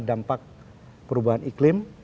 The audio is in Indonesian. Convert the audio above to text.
dampak perubahan iklim